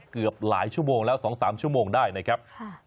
เกือบหลายชั่วโมงแล้ว๒๓ชั่วโมงได้นะครับ